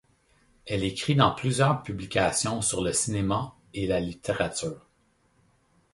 Elle écrit dans plusieurs publications sur le cinéma et la littérature.